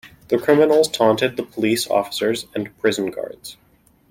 The criminals taunted the police officers and prison guards.